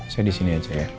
saya disini aja ya